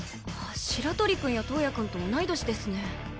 白鳥くんや橙也くんと同い年ですね。